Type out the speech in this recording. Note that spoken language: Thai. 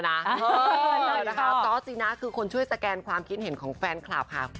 เจ้าจีน้าคือคนช่วยสแกนความคิดเห็นของแฟนคลับค่ะ